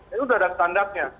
itu sudah ada standarnya